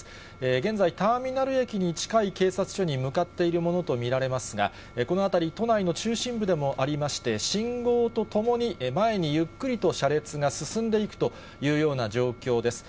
現在、ターミナル駅に近い警察署に向かっているものと見られますが、この辺り、都内の中心部でもありまして、信号とともに前にゆっくりと車列が進んでいくというような状況です。